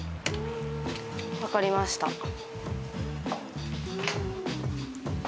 分かりました。